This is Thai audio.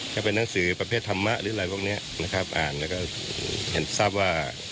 ถ้าเป็นหนังสือประเภทธรรมะหรืออะไรพวกเนี้ยนะครับอ่านแล้วก็เห็นทราบว่า